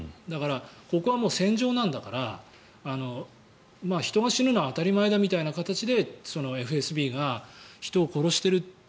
だから、ここはもう戦場なんだから人が死ぬのは当たり前だみたいな形でＦＳＢが人を殺している。